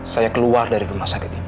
saya keluar dari rumah sakit ini